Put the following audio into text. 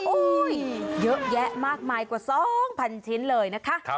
เยอะแยะมากมายกว่า๒๐๐๐ชิ้นเลยนะคะ